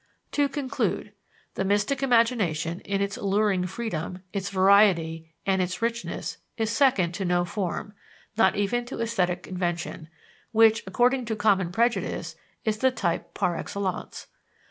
To conclude: The mystic imagination, in its alluring freedom, its variety, and its richness, is second to no form, not even to esthetic invention, which, according to common prejudice, is the type par excellence.